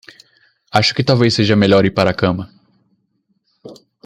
Acho que talvez seja melhor ir para a cama.